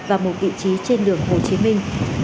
và một vị trí trên đường hồ chí minh